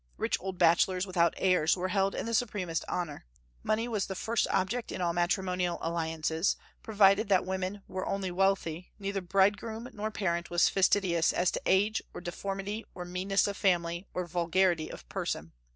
Rich old bachelors, without heirs, were held in the supremest honor. Money was the first object in all matrimonial alliances; and provided that women were only wealthy, neither bridegroom nor parent was fastidious as to age, or deformity, or meanness of family, or vulgarity of person.